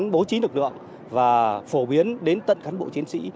bố trí lực lượng và phổ biến đến tận cán bộ chiến sĩ